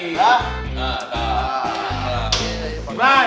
nah nah nah